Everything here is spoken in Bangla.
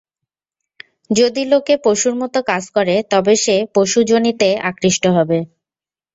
যদি লোকে পশুর মত কাজ করে, তবে সে পশুযোনিতে আকৃষ্ট হবে।